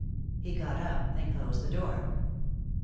He got up and closed the door.